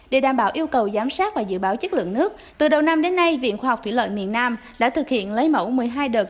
để đảm bảo yêu cầu giám sát và dự báo chất lượng nước từ đầu năm đến nay viện khoa học thủy lợi miền nam đã thực hiện lấy mẫu một mươi hai đợt